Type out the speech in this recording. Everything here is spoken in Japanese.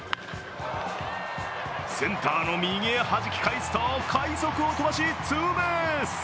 センターの右へはじき返すと快足を飛ばしツーベース。